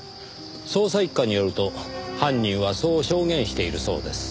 捜査一課によると犯人はそう証言しているそうです。